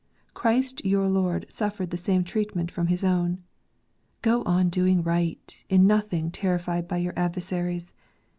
Christ your Lord suffered the same treatment from His own. Go on doing right, in nothing terrified by your adversaries.